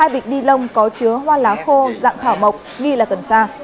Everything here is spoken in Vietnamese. hai bịch ni lông có chứa hoa lá khô dạng thảo mộc nghi là cần xa